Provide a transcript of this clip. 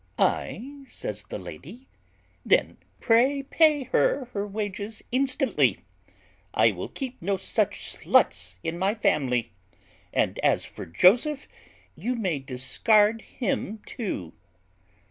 "Ay!" says the lady, "then pray pay her her wages instantly. I will keep no such sluts in my family. And as for Joseph, you may discard him too."